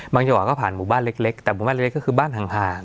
จังหวะก็ผ่านหมู่บ้านเล็กแต่หมู่บ้านเล็กก็คือบ้านห่าง